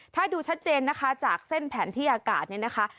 ถ้าดูชัดเจนนะคะจากเส้นแผนที่อากาศเนี่ยนะคะ